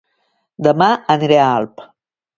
Dema aniré a Alp